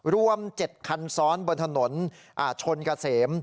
รวม๗คันซ้อนบนถนนชนเกษม